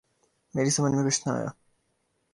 میری سمجھ میں کچھ نہ آیا